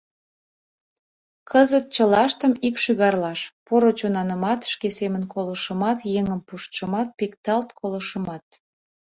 Кызыт чылаштым ик шӱгарлаш: поро чонанымат, шке семын колышымат, еҥым пуштшымат, пикталт колышымат...